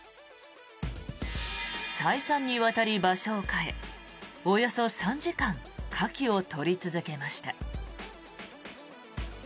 再三にわたり場所を変えおよそ３時間カキを取り続けました。